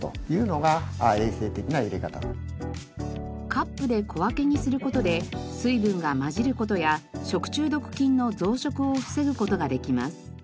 カップで小分けにする事で水分が混じる事や食中毒菌の増殖を防ぐ事ができます。